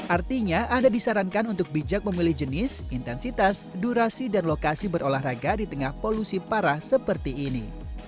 artinya anda disarankan untuk bijak memilih jenis intensitas durasi dan lokasi berolahraga di tengah polusi parah seperti ini